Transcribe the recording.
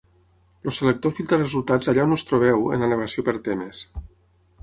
El selector filtra resultats allà on us trobeu en la navegació per temes.